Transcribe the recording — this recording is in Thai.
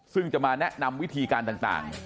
ซึ่งจะมาแนะนำวิธีการต่าง